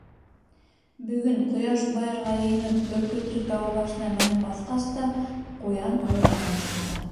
Бөгөн ҡояш байырға йыйынып, Бөркөтлө тауы башына менеп баҫҡас та, ҡуян ояһынан сыҡты.